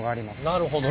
なるほど。